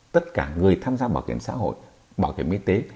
tất cả người tham gia bảo hiểm xã hội bảo hiểm y tế